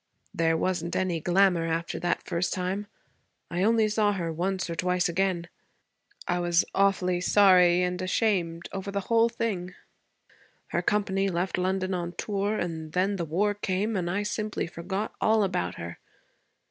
'There wasn't any glamour after that first time. I only saw her once or twice again. I was awfully sorry and ashamed over the whole thing. Her company left London, on tour, and then the war came, and I simply forgot all about her.